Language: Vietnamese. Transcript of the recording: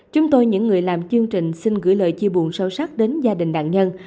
chúng tôi những người làm chương trình xin gửi lời chia buồn sâu sắc đến gia đình nạn nhân